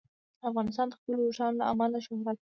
افغانستان د خپلو اوښانو له امله شهرت لري.